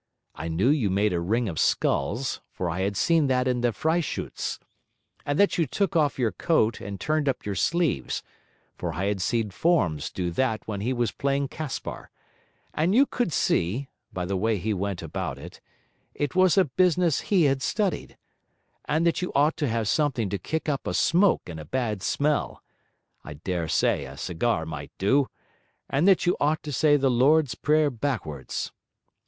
I knew you made a ring of skulls, for I had seen that in the Freischutz: and that you took off your coat and turned up your sleeves, for I had seen Formes do that when he was playing Kaspar, and you could see (by the way he went about it) it was a business he had studied; and that you ought to have something to kick up a smoke and a bad smell, I dare say a cigar might do, and that you ought to say the Lord's Prayer backwards.